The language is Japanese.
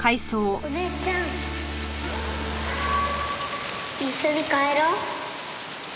お姉ちゃん一緒に帰ろう。